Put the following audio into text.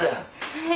はい。